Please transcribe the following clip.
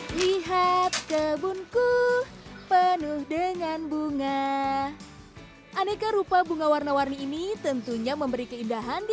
lihat kebunku penuh dengan bunga aneka rupa bunga warna warni ini tentunya memberi keindahan di